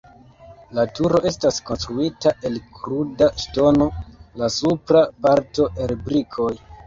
La turo estas konstruita el kruda ŝtono, la supra parto el brikoj.